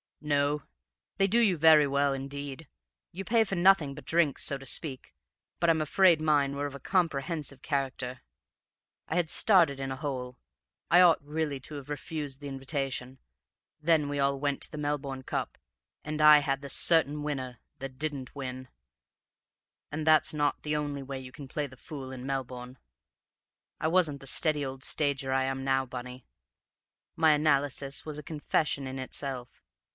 "... No, they do you very well, indeed. You pay for nothing but drinks, so to speak, but I'm afraid mine were of a comprehensive character. I had started in a hole, I ought really to have refused the invitation; then we all went to the Melbourne Cup, and I had the certain winner that didn't win, and that's not the only way you can play the fool in Melbourne. I wasn't the steady old stager I am now, Bunny; my analysis was a confession in itself.